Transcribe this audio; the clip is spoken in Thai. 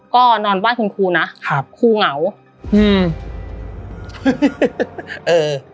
ก็นอนบ้านของครูนะครับครูเหงาอืม